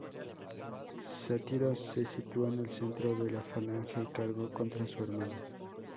Sátiro se situó en el centro de la falange y cargó contra su hermano.